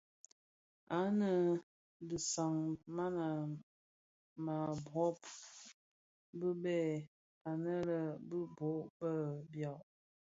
Ànë a disag man a màa rôb bi lë à lëê bi bôn bë biàg.